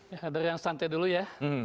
ya dari yang santai dulu ya